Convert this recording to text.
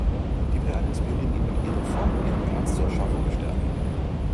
Die Perlen inspirieren ihn mit ihrer Form und ihrem Glanz zur Erschaffung der Sterne.